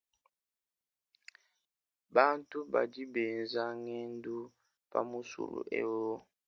Bantu badi benza ngendu pa musulu eu.